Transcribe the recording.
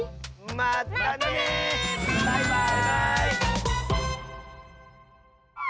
まったねバイバーイ！